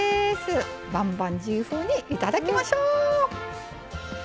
バンバンジー風に頂きましょう！